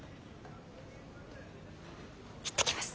行ってきます。